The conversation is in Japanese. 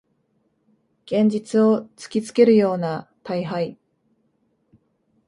現実を突きつけるような大敗